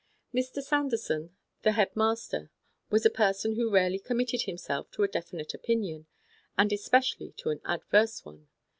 Mr. Sanderson, the head master, was a person who rarely committed himself to a definite opinion, and especially to an adverse one.